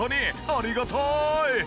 ありがたーい！